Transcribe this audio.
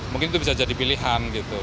mungkin itu bisa jadi pilihan gitu